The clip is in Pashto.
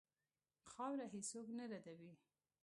خاوره هېڅ څوک نه ردوي.